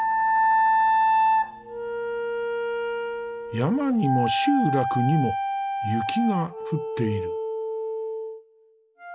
山にも集落にも雪が降っている。